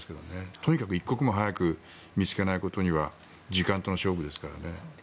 とにかく一刻も早く見つけないことには時間との勝負ですからね。